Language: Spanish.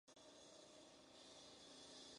Finch es una ávida fanática de Los Angeles Dodgers.